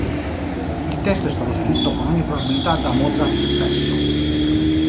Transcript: Il testo è stato scritto con ogni probabilità da Mozart stesso.